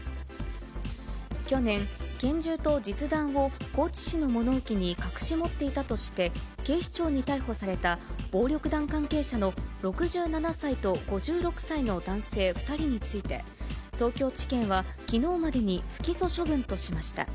去年、拳銃と実弾を高知市の物置に隠し持っていたとして、警視庁に逮捕された暴力団関係者の６７歳と５６歳の男性２人について、東京地検はきのうまでに不起訴処分としました。